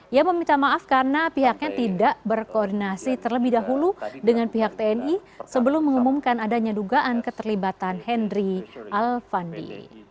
ia meminta maaf karena pihaknya tidak berkoordinasi terlebih dahulu dengan pihak tni sebelum mengumumkan adanya dugaan keterlibatan henry alfandi